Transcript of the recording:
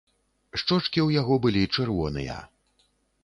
Шчочкі ў яго былі чырвоныя.